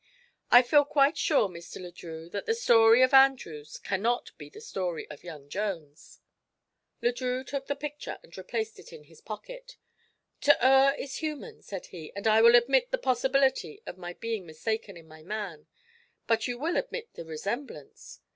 I feel quite sure, Mr. Le Drieux, that the story of Andrews can not be the story of young Jones." Le Drieux took the picture and replaced it in his pocket. "To err is human," said he, "and I will admit the possibility of my being mistaken in my man. But you will admit the resemblance?"